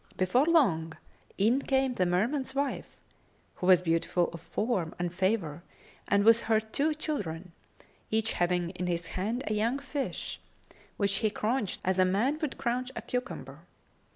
Before long, in came the Merman's wife, who was beautiful of form and favour and with her two children, each having in his hand a young fish, which he craunched as a man would craunch a cucumber.